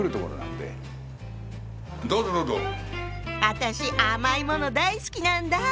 私甘いもの大好きなんだ。